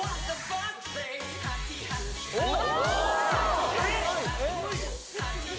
おっ。